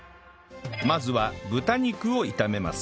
まずは豚肉を炒めます